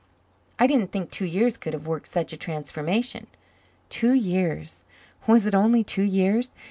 I didn't think two years could have worked such a transformation. Two years! Was it only two years?